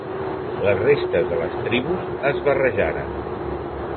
Les restes de les tribus es barrejaren.